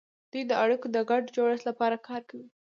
دوی د اړیکو د ګډ جوړښت لپاره کار کوي